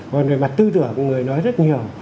còn về mặt tư tưởng người nói rất nhiều